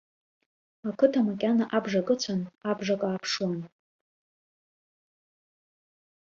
Ақыҭа макьана абжак ыцәан, абжак ааԥшуан.